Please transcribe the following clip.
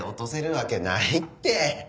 わけないって！